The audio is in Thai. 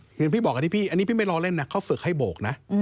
เห็นพี่บอกอันนี้พี่อันนี้พี่ไม่รอเล่นนะเขาฝึกให้โบกนะ